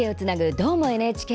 「どーも、ＮＨＫ」。